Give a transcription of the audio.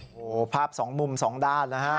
โอ้โหภาพสองมุมสองด้านนะฮะ